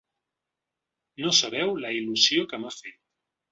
No sabeu la il·lusió que m’ha fet!